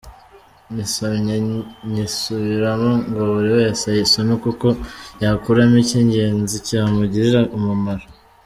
Nyisomye nyisubiramo ngo buri wese ayisome kuko yakuramo ikingenzi cyamugirira umumaro.